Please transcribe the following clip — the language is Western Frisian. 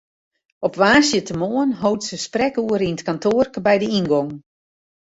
Op woansdeitemoarn hâldt se sprekoere yn it kantoarke by de yngong.